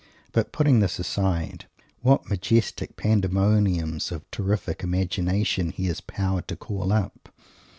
But, putting this aside, what majestic Pandemoniums of terrific Imagination he has the power to call up!